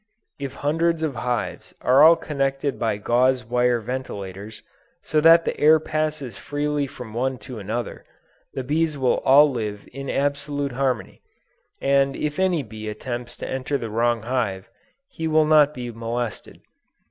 If hundreds of hives are all connected by gauze wire ventilators, so that the air passes freely from one to another, the bees will all live in absolute harmony, and if any bee attempts to enter the wrong hive, he will not be molested.